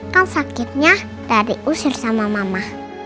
kan sakitnya dari usir sama mama